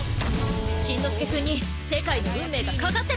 しんのすけくんに世界の運命がかかってるんですよ。